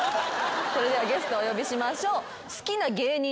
それではゲストお呼びしましょう。